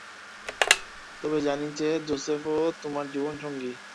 তবে জানি যে, জোসেফও তোমার জীবনসঙ্গী।